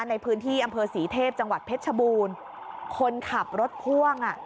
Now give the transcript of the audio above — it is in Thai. ในพื้นที่อำเภอศรีเทพจังหวัดเพชรชบูรณ์คนขับรถพ่วงอ่ะ